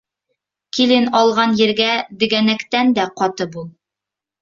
Килен алған ергә дегәнәктән дә ҡаты бул.